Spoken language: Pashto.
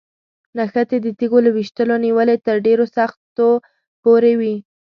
نښتې د تیږو له ویشتلو نیولې تر ډېرو سختو پورې وي.